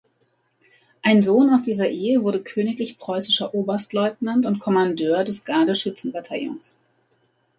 Ein Sohn aus dieser Ehe wurde königlich preußischer Oberstleutnant und Kommandeur des Garde-Schützen-Bataillons.